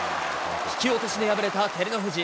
引き落としで敗れた照ノ富士。